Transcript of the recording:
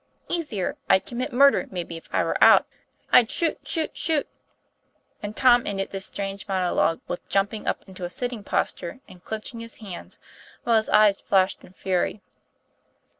Easier; I'd commit murder, maybe, if I were out. I'd shoot shoot shoot ' and Tom ended this strange monologue with jumping up into a sitting posture and clinching his hands, while his eyes flashed in fury.